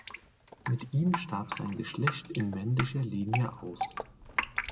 Mit ihm starb sein Geschlecht in männlicher Linie aus.